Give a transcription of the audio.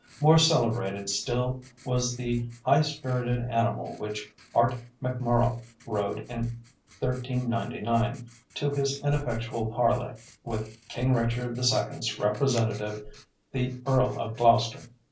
More celebrated still was the high spirited animal which Art MacMurrogh rode in 1399 to his ineffectual parley with King Richard the Second's representative, the Earl of Gloucester.